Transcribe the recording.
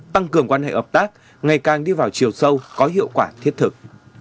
tăng cường quan hệ hợp tác ngày càng đi vào chiều sâu có hiệu quả thiết thực